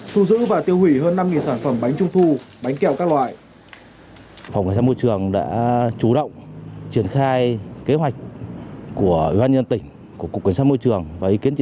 thu giữ và tiêu hủy hơn năm sản phẩm bánh trung thu bánh kẹo các loại